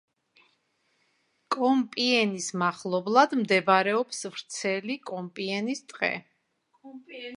კომპიენის მახლობლად მდებარეობს ვრცელი კომპიენის ტყე.